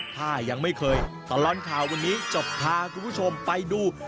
ถ้ายังไม่เคยตลอดข่าววันนี้จบพาคุณผู้ชมไปดู